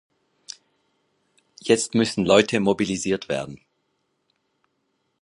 Jetzt müssen Leute mobilisiert werden.